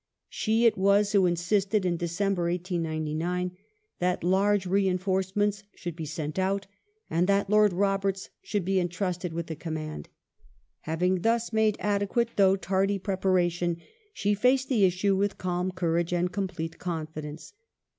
She it was who insisted, in December, 1899, that large reinforcements should be sent out, and that Lord Roberts should be entrusted with the command. Having thus made adequate, though tardy, preparation, she faced the issue with calm courage and complete confidence.